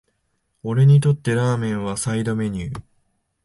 俺にとってラーメンはサイドメニュー